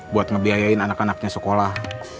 buat ngebiayain anak anaknya sekolah